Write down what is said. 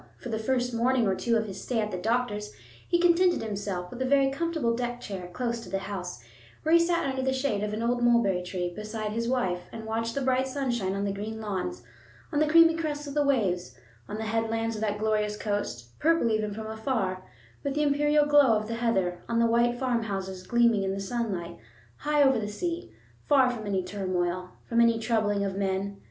For the first morning or two of his stay at the doctor's he contented himself with a very comfortable deck chair close to the house, where he sat under the shade of an old mulberry tree beside his wife and watched the bright sunshine on the green lawns, on the creamy crests of the waves, on the headlands of that glorious coast, purple even from afar with the imperial glow of the heather, on the white farmhouses gleaming in the sunlight, high over the sea, far from any turmoil, from any troubling of men.